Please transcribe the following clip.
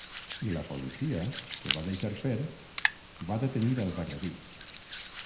I la policia, que va deixar fer, va detenir els agredits.